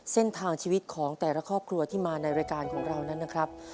เส้นทางชีวิตของแต่ละครอบครัวที่มาในรายการของเรานั้นนะครับ